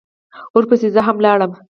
ورپسې زه هم لاړم.